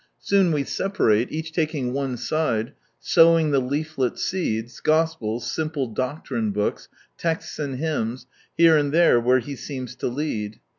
Soon we separate, each taking one side, sowing the leaflet seeds, gospels, simple "doctrine books," texts and hymns, here and there where He seems to lead.